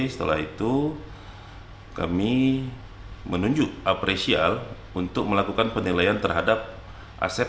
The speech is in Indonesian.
setelah itu kami menunjuk apresial untuk melakukan penilaian terhadap aset